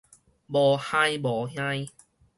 無哼無哼